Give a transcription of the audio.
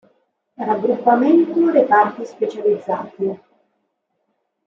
Raggruppamento Reparti Specializzati